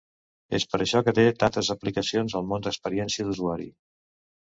És per això que té tantes aplicacions al món d'experiència d'usuari.